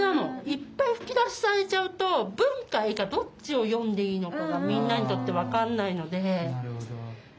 いっぱい吹き出しされちゃうと文か絵かどっちを読んでいいのかみんなにとって分かんないので。